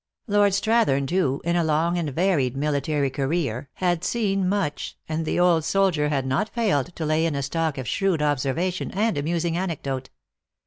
Lord Strathern, too, in a long and varied military career, had seen much, and the old soldier had not failed to la}^ in a stock of shrewd observation and amusing anecdote.